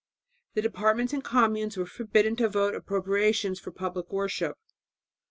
The departments and communes were forbidden to vote appropriations for public worship.